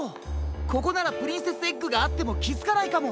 ここならプリンセスエッグがあってもきづかないかも。